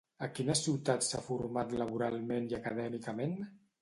A quines ciutats s'ha format laboralment i acadèmicament?